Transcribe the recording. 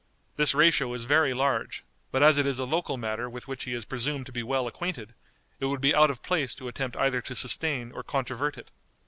This ratio is very large, but as it is a local matter with which he is presumed to be well acquainted, it would be out of place to attempt either to sustain or controvert it.